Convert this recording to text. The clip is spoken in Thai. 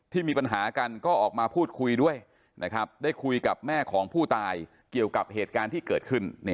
มีปัญหากันก็ออกมาพูดคุยด้วยได้คุยกับแม่ของผู้ตายเกี่ยวกับเหตุการณ์ที่เกิดขึ้น